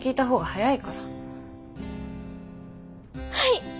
はい！